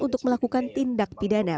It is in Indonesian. untuk melakukan tindak pidana